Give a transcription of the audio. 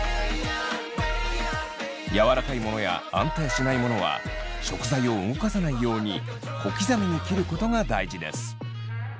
柔らかいものや安定しないものは食材を動かさないように小刻みに切ることが大事です。